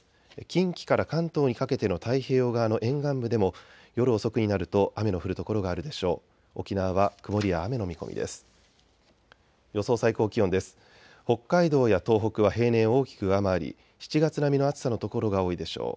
近畿から関東にかけての太平洋側の沿岸部でも夜遅くになると雨の降る所があるでしょう。